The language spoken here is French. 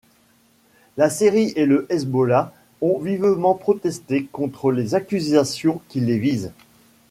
La Syrie et le Hezbollah ont vivement protesté contre les accusations qui les visent.